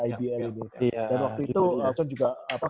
ibl ini dan waktu itu